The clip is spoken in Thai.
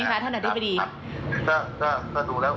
ก็ดูแล้วก็น่าจะเข้าอุปกรณ์อะไรต่าง